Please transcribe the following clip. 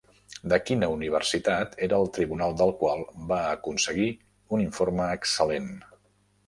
De quina Universitat era el tribunal del qual va aconseguir un informe excel·lent?